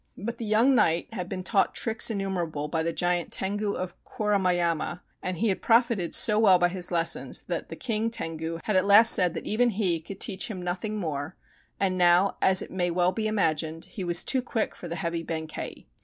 But the young knight had been taught tricks innumerable by the giant Tengu of Kuramayama, and he had profited so well by his lessons that the King Tengu had at last said that even he could teach him nothing more, and now, as it may well be imagined, he was too quick for the heavy Benkei.